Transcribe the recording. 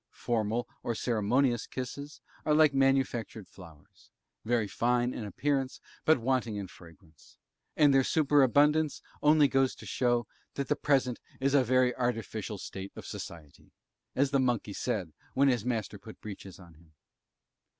Formal or ceremonious kisses are like manufactured flowers very fine in appearance, but wanting in fragrance; and their superabundance only goes to show that the present is a very artificial state of society, as the monkey said when his master put breeches on him.